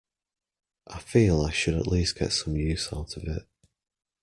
I feel I should at least get some use out of it.